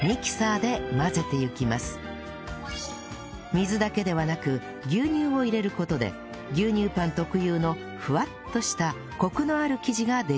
水だけではなく牛乳を入れる事で牛乳パン特有のふわっとしたコクのある生地ができるんだそう